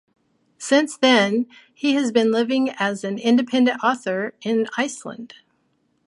Since then he has been living as an independent author in Iceland.